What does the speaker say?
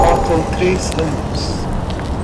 Faltam três anos